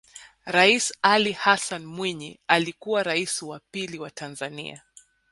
Rais Ali Hassan Mwinyi alikuwa Rais wa pili wa Tanzania